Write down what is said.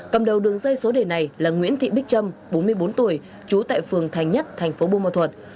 cầm đầu đường dây số đề này là nguyễn thị bích trâm bốn mươi bốn tuổi trú tại phường thành nhất thành phố bùa thuật